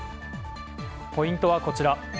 ポイントはこちら。